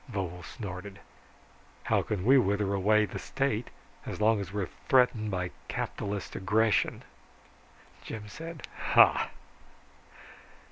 Vovo snorted. "How can we wither away the State as long as we are threatened by capitalist aggression?" Jim said, "Ha!"